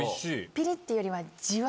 ピリっていうよりは。